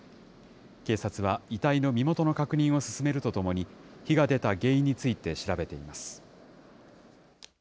警察は、遺体の身元の確認を進めるとともに、火が出た原因について調べています。